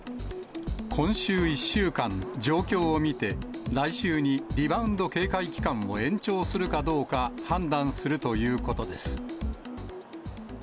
今週１週間、状況を見て、来週にリバウンド警戒期間を延長するかどうか、判断するということです。